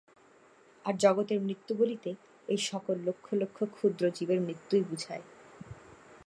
আর জগতের মৃত্যু বলিতে এই-সকল লক্ষ লক্ষ ক্ষুদ্র জীবের মৃত্যুই বুঝায়।